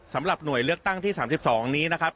สำหรับหน่วยเลือกตั้งที่๓๒นี้นะครับ